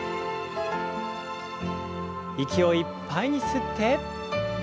息をいっぱいに吸って。